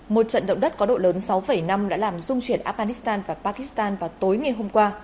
một trận động đất có độ lớn sáu năm đã làm dung chuyển afghanistan và pakistan vào tối ngày hôm qua